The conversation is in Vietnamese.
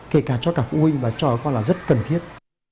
kể cả cho cả phụ huynh và cho các con là rất cần thiết